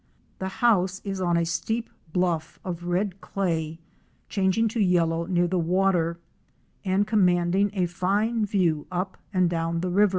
The house is on a steep bluff of red clay, changing to yellow near the water and commanding a fine view up and down the river.